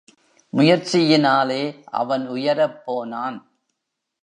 முயற்சியினாலே அவன் உயரப் போனான்.